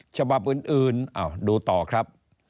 ฉบับอื่นดูต่อครับ